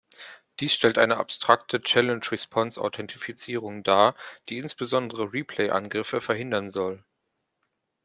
Dies stellt eine abstrakte Challenge-Response-Authentifizierung dar, die insbesondere Replay-Angriffe verhindern soll.